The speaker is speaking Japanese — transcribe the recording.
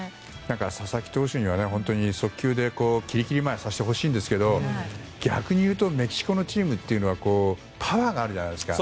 佐々木投手には速球できりきり舞いさせてほしいですけど逆に言うとメキシコのチームというのはパワーがあるじゃないですか。